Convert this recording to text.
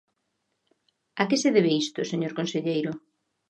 ¿A que se debe isto, señor conselleiro?